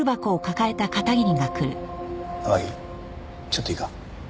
ちょっといいか？